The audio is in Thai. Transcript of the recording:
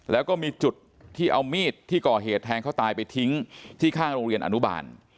แล้วก็มีจุดที่เอามีดที่ก่อเหตุแทงเขาตายไปทิ้งที่ข้างโรงเรียนอนุบาล